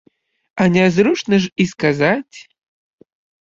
А нязручна ж і сказаць.